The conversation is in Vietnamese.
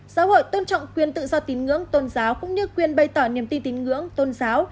xã hội tôn trọng quyền tự do tín ngưỡng tôn giáo cũng như quyền bày tỏ niềm tin tín ngưỡng tôn giáo